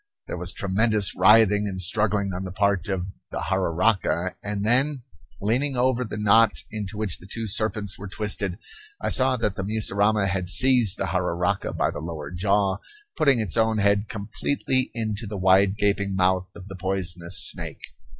There was tremendous writhing and struggling on the part of the jararaca; and then, leaning over the knot into which the two serpents were twisted, I saw that the mussurama had seized the jararaca by the lower jaw, putting its own head completely into the wide gaping mouth of the poisonous snake.